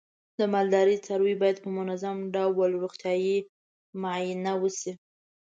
د مالدارۍ څاروی باید په منظم ډول روغتیايي معاینې وشي.